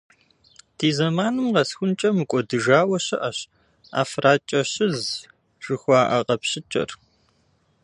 Ди зэманым къэсхункӏэ мыкӏуэдыжауэ щыӏэщ «ӏэфракӏэщыз» жыхуаӏэ къэпщыкӏэр.